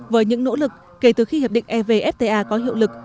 với những nỗ lực kể từ khi hiệp định evfta có hiệu lực